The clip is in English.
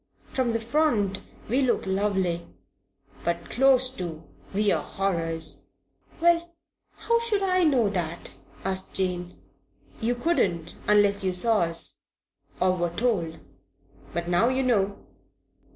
From the front we look lovely; but close to we're horrors." "Well, how should I know that?" asked Jane. "You couldn't unless you saw us or were told. But now you know."